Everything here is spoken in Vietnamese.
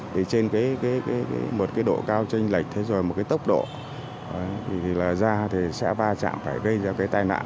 thì trên một cái độ cao tranh lệch thế rồi một cái tốc độ thì là da thì sẽ va chạm phải gây ra cái tai nạn